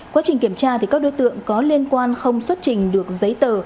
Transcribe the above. quá trình kiểm tra các đối tượng có liên quan không xuất trình được giấy tờ